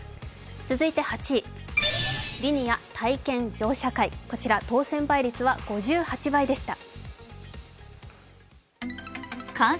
続いて８位、リニア体験乗車会こちら当選倍率５８倍でした。